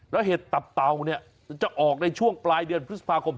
แล้วเห็ดตับเตาเนี่ยจะออกในช่วงปลายเดือนพฤษภาคม